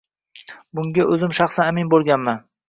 Bunga o`zim shaxsan amin bo`lganman